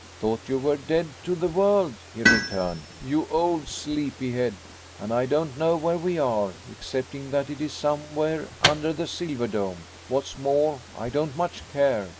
"Thought you were dead to the world," he returned, "you old sleepy head. And I don't know where we are, excepting that it is somewhere under the silver dome. What's more, I don't much care.